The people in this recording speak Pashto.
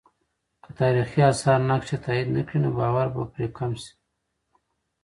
که تاریخي آثار نقش یې تایید نه کړي، نو باور به پرې کم سي.